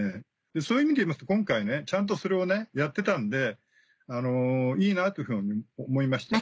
そういう意味でいいますと今回ちゃんとそれをやってたんでいいなというふうに思いました。